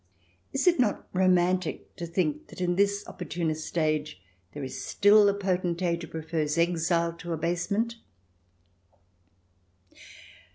Is it not romantic to think that in this opportunist age there is still a potentate who prefers exile to abasement